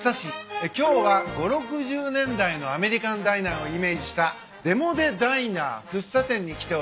今日は５０６０年代のアメリカンダイナーをイメージしたデモデダイナー福生店に来ております。